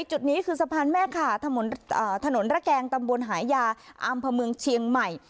จุดนี้คือสะพานแม่ขาถนนระแกงตำบลหายาอำเภอเมืองเชียงใหม่